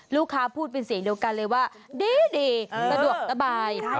ลูกค้าพูดเป็นเสียงเดียวกันเลยว่าดีสะดวกสบาย